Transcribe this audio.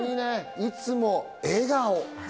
いつも笑顔。